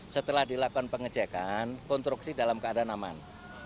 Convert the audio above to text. setelah dilakukan pengecekan konstruksi dalam keadaan aman